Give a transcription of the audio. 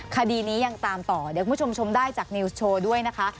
คดีนี้ยังตามต่อเดี๋ยวคุณผู้ชมชมได้จากนิวส์โชว์ด้วยนะคะ